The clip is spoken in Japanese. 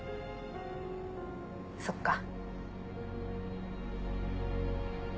そっか。